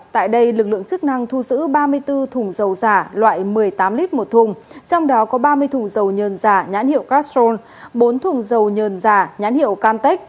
tại đây lực lượng chức năng thu giữ ba mươi bốn thùng dầu giả loại một mươi tám lít một thùng trong đó có ba mươi thùng dầun giả nhãn hiệu castrol bốn thùng dầu nhờn giả nhãn hiệu cantech